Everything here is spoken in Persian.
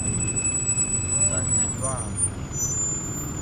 سانتیگرام